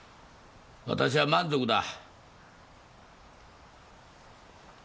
私は満足だ。